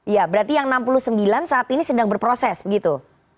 ya berarti yang enam puluh sembilan saat ini sedang berproses begitu